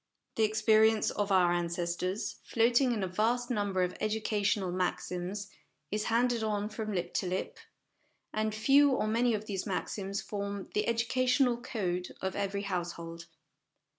The experience of our ancestors, floating in a vast number of educational maxims, is handed on from lip to lip; and few or many of these maxims form the educational code of every household.